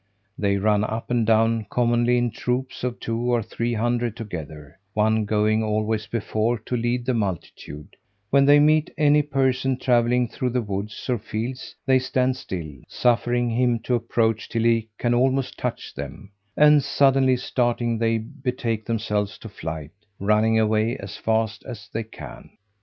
They run up and down commonly in troops of two or three hundred together, one going always before to lead the multitude: when they meet any person travelling through the woods or fields, they stand still, suffering him to approach till he can almost touch them: and then suddenly starting, they betake themselves to flight, running away as fast as they can.